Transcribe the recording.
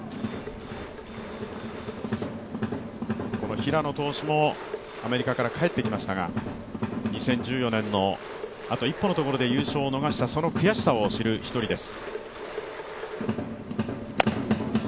平野投手もアメリカから帰ってきましたが、２０１４年のあと一歩のところで優勝を逃したその悔しさを知る一人です。